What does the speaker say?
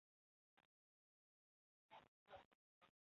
庄际昌为浙江按察司佥事庄用宾之曾孙。